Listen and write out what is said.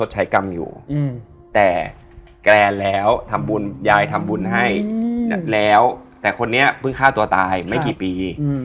จำได้ว่ามีพี่